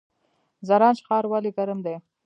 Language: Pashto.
زرنج ښار ولې ګرم دی؟